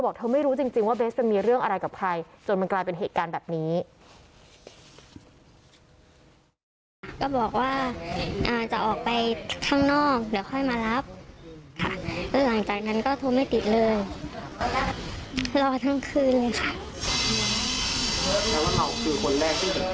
ค่ะแล้วหลังจากนั้นก็โทรไม่ติดเลยรอทั้งคืนเลยค่ะ